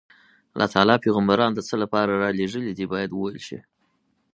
الله تعالی پیغمبران د څه لپاره رالېږلي دي باید وویل شي.